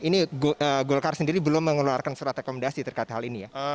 ini golkar sendiri belum mengeluarkan surat rekomendasi terkait hal ini ya